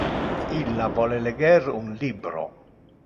Illa vole leger un libro.